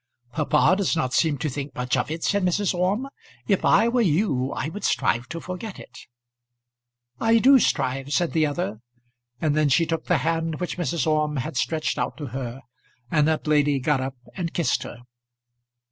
"Papa does not seem to think much of it," said Mrs. Orme. "If I were you, I would strive to forget it." "I do strive," said the other; and then she took the hand which Mrs. Orme had stretched out to her, and that lady got up and kissed her.